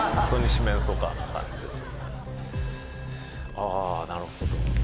あぁなるほど。